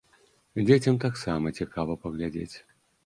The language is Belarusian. Дзецям таксама цікава паглядзець.